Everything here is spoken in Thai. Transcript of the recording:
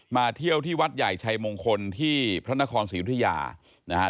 เที่ยวที่วัดใหญ่ชัยมงคลที่พระนครศรียุธยานะครับ